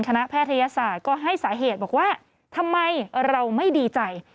แพทยศาสตร์ก็ให้สาเหตุบอกว่าทำไมเราไม่ดีใจ